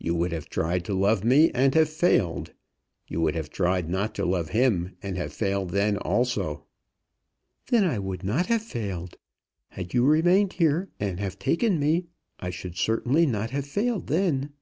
You would have tried to love me and have failed. You would have tried not to love him, and have failed then also." "Then I would not have failed. Had you remained here, and have taken me, I should certainly not have failed then."